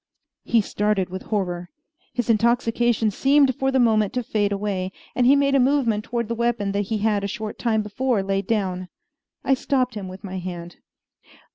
He started with horror. His intoxication seemed for the moment to fade away, and he made a movement toward the weapon that he had a short time before laid down, I stopped him with my hand.